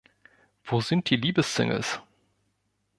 Wo sind die Liebes-Singles?